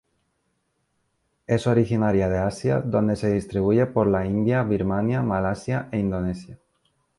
Es originaria de Asia donde se distribuye por la India, Birmania, Malasia e Indonesia.